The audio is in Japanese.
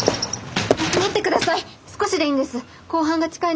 待ってください！